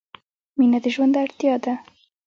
• مینه د ژوند اړتیا ده.